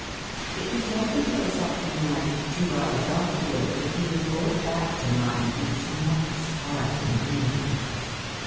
It was not until something like two hours afterward that he was brought back to mind in a somewhat disquieting manner.